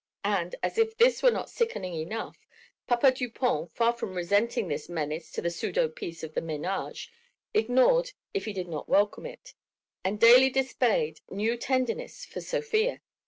And, as if this were not sickening enough, Papa Dupont, far from resenting this menace to the pseudo peace of the ménage, ignored if he did not welcome it, and daily displayed new tenderness for Sofia.